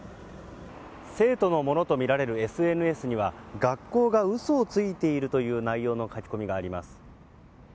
生徒のものとみられるＳＮＳには学校が嘘をついているという内容の書き込みがあります。